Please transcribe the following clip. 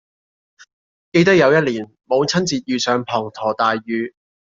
記得有一年母親節遇上滂沱大雨